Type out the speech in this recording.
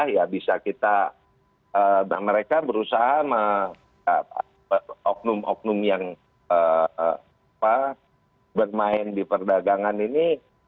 ya bisa kita mereka berusaha oknum oknum yang bermain di perdagangan ini